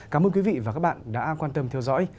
cảm ơn quý vị và các bạn đã quan tâm theo dõi